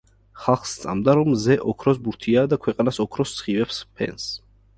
ხალხს სწამდა, რომ მზე ოქროს ბურთია და ქვეყანას ოქროს სხივებს ჰფენს.